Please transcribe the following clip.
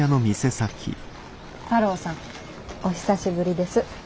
太郎さんお久しぶりです。